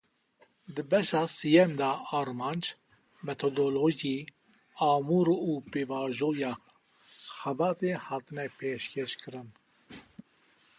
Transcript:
Di beşa sêyem de armanc, metadolojî, amûr û pêvajoya xebatê hatine pêşkeşkirin.